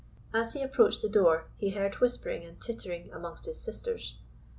As he approached the door, he heard whispering and tittering amongst his sisters.